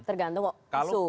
tergantung kok isu